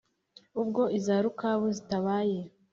ubwo iza rukabu zitabaye